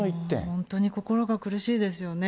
本当に心が苦しいですよね。